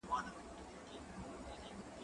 خبري د خلکو له خوا کيږي؟!